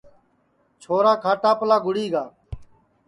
چھورا کھاٹاپلا گُڑی گا